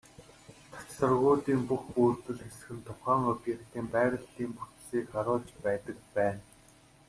Цацрагуудын бүх бүрдэл хэсэг нь тухайн объектын байрлалын бүтцийг харуулж байдаг байна.